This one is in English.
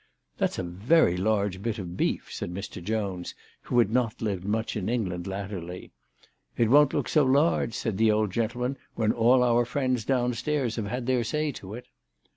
" That's a very large bit of beef," said Mr. Jones, who had not lived much in England latterly. "It won't look so large," said the old gentleman, " when all our friends downstairs have had their say to it."